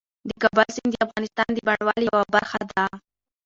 د کابل سیند د افغانستان د بڼوالۍ یوه برخه ده.